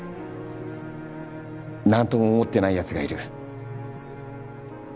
何とも思ってないやつがいる。